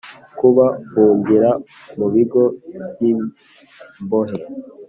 kubafungira mu bigo by imbohe